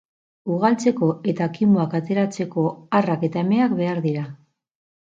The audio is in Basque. Ugaltzeko eta kimuak ateratzeko arrak eta emeak behar dira.